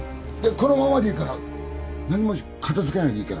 このままでいいから何も片付けないでいいからね。